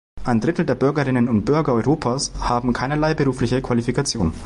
Ein Drittel der Bürgerinnen und Bürger Europas haben keinerlei berufliche Qualifikation.